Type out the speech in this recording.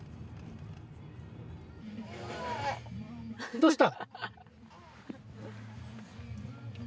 どうした？